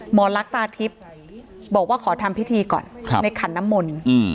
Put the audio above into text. ลักษ์ตาทิพย์บอกว่าขอทำพิธีก่อนในขันน้ำมนต์